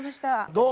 どう？